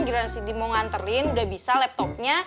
gila sindi mau nganterin udah bisa laptopnya